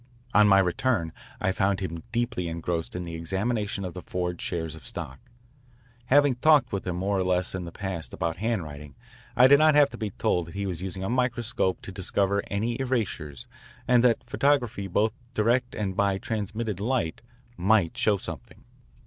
On my return I found him deeply engrossed in the examination of the forged shares of stock. Having talked with him more or less in the past about handwriting I did not have to be told that he was using a microscope to discover any erasures and that photography both direct and by transmitted light might show something.